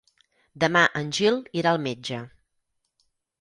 Demà en Gil irà al metge.